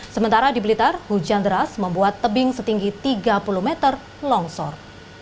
sementara di blitar hujan deras membuat tebing setinggi tiga puluh meter longsor